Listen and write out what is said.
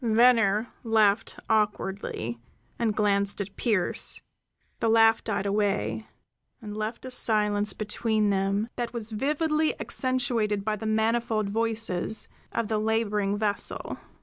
Venner laughed awkwardly, and glanced at Pearse; the laugh died away and left a silence between them that was vividly accentuated by the manifold voices of the laboring vessel.